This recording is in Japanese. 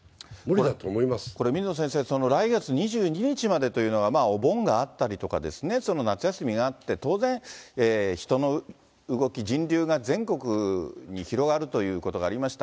水野先生、来月２２日までというのは、お盆があったり、夏休みがあって、当然、人の動き、人流が全国に広がるということがありました。